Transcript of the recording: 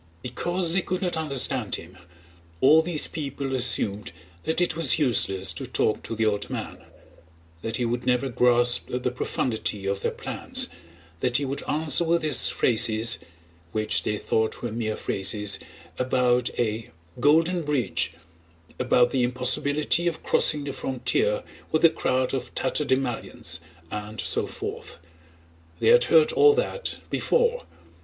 Because they could not understand him all these people assumed that it was useless to talk to the old man; that he would never grasp the profundity of their plans, that he would answer with his phrases (which they thought were mere phrases) about a "golden bridge," about the impossibility of crossing the frontier with a crowd of tatterdemalions, and so forth. They had heard all that before.